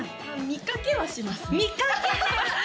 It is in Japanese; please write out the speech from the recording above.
見かけはしますね